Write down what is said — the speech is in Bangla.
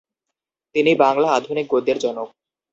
তিনি বাংলা আধুনিক গদ্যের জনক।